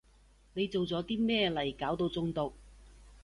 你做咗啲咩嚟搞到中毒？